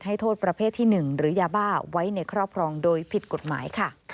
โทษประเภทที่๑หรือยาบ้าไว้ในครอบครองโดยผิดกฎหมายค่ะ